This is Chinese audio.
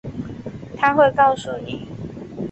她会告诉你